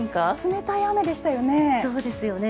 冷たい雨でしたよね。